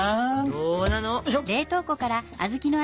どうなの？